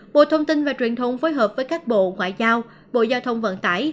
bộ thông tin và truyền thông phối hợp với các bộ ngoại giao bộ giao thông vận tải